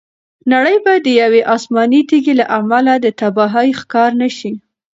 نړۍ به د یوې آسماني تیږې له امله د تباهۍ ښکار نه شي.